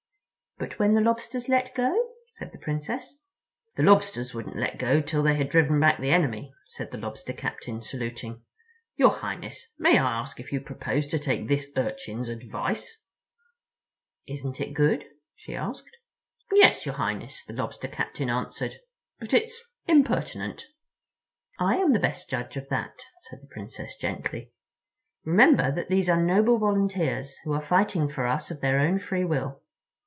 "But when the Lobsters let go?" said the Princess. "The Lobsters wouldn't let go till they had driven back the enemy," said the Lobster Captain, saluting. "Your Highness, may I ask if you propose to take this Urchin's advice?" "Isn't it good?" she asked. "Yes, your Highness," the Lobster Captain answered, "but it's impertinent." [Illustration: The First Dipsys.] "I am the best judge of that," said the Princess gently; "remember that these are noble volunteers, who are fighting for us of their own free will."